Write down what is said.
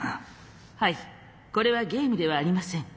はいこれはゲームではありません。